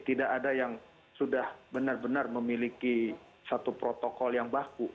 tidak ada yang sudah benar benar memiliki satu protokol yang baku